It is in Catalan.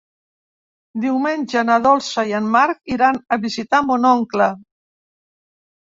Diumenge na Dolça i en Marc iran a visitar mon oncle.